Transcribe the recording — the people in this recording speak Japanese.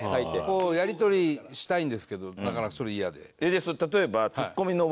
こうやり取りしたいんですけどなかなかそれ嫌で。